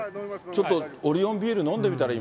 ちょっと、オリオンビール飲んでみたら？